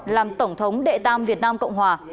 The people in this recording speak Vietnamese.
làm tổng thống đệ tam việt nam cộng hòa